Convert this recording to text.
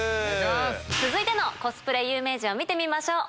続いてのコスプレ有名人を見てみましょう！